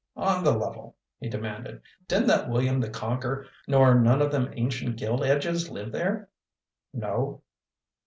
"On the level," he demanded, "didn't that William the Conker nor NONE o' them ancient gilt edges live there?" "No."